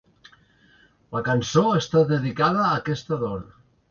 La cançó està dedicada a aquesta dona.